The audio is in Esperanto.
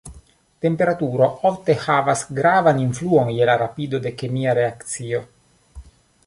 Temperaturo ofte havas gravan influon je la rapido de kemia reakcio.